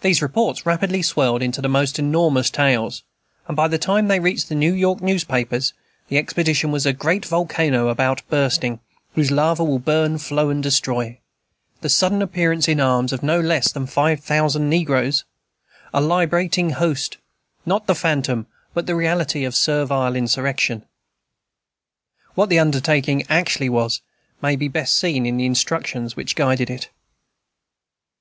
These reports rapidly swelled into the most enormous tales, and by the time they reached the New York newspapers, the expedition was "a great volcano about bursting, whose lava will burn, flow, and destroy," "the sudden appearance in arms of no less than five thousand negroes," "a liberating host," "not the phantom, but the reality, of servile insurrection." What the undertaking actually was may be best seen in the instructions which guided it.